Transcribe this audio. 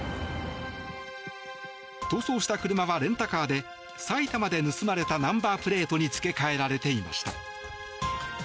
逃走した車はレンタカーで埼玉で盗まれたナンバープレートに付け替えられていました。